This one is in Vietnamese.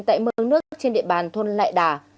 tại mương nước trên địa bàn thôn lại đà